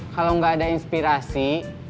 kalau gak ada inspirasi